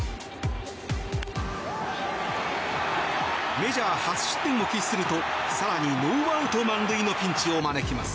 メジャー初失点を喫すると更に、ノーアウト満塁のピンチを招きます。